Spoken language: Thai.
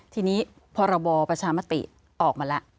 ทีนี้พรบประชามติออกมาแล้ว